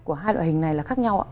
của hai loại hình này là khác nhau ạ